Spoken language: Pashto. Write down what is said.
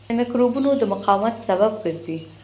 د مکروبونو د مقاومت سبب ګرځي.